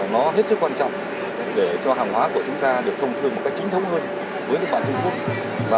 nó hết sức quan trọng để cho hàng hóa của chúng ta được thông thường một cách chính thống hơn với loạt trung quốc